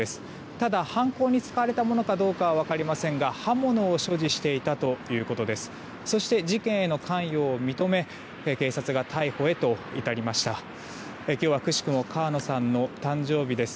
ただ、犯行に使われたものかどうかは分かりませんが刃物を所持していたということです。